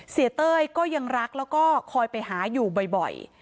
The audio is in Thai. เต้ยก็ยังรักแล้วก็คอยไปหาอยู่บ่อย